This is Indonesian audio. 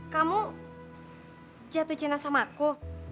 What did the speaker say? kamu jatuh cinta sama aku